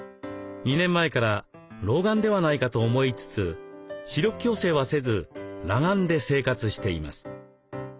２年前から老眼ではないかと思いつつ視力矯正はせず裸眼で生活しています。